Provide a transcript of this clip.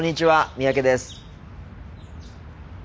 三宅です。